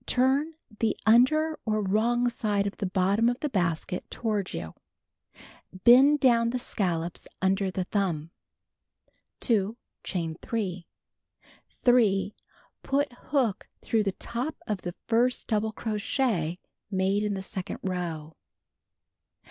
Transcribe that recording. Turn the under or wrong side of the bottom of the basket toward you. Bend down the scallops under the thumb. 2. Chain 3. 3. Put hook through the top of the first double crochet made in the second row.